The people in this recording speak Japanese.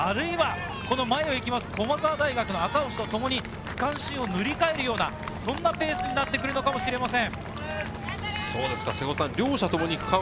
前を行く駒澤の赤星とともに区間新を塗り替えるようなペースになってくるかもしれません。